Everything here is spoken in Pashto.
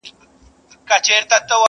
په ځان غټ یمه غښتلی تر هر چا یم؛